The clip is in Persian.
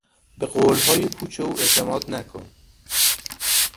به قولهای پوچ او اعتماد نکن.